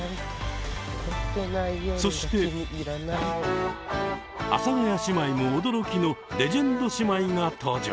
そして阿佐ヶ谷姉妹も驚きのレジェンド姉妹が登場。